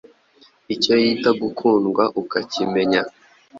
icyo yita gukundwa ukakimenya